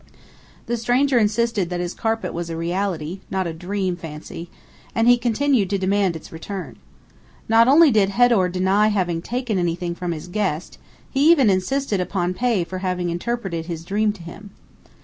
The stranger insisted that his carpet was a reality, not a dream fancy, and he continued to demand its return. Not only did Hedor deny having taken anything from his guest, he even insisted upon pay for having interpreted his dream to him.